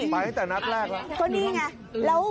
ไปจากนัดแรกละ